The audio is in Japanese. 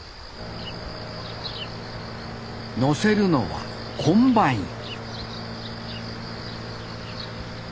載せるのはコンバイン